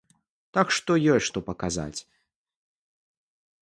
Так што ёсць што паказаць.